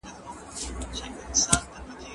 هغې خپله هڅه او کوښښ وکړ.